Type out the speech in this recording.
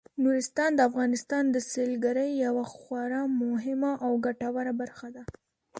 نورستان د افغانستان د سیلګرۍ یوه خورا مهمه او ګټوره برخه ده.